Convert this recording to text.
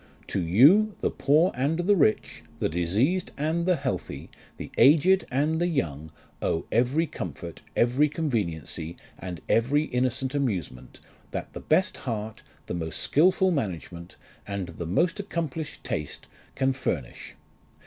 To you, the poor and the rich, the diseased and the healthy, the aged and the young, owe every comfort, every conveniency, and every innocent amusement, that the best heart, the most skilful manage ment, and the most accomplished taste can furnish.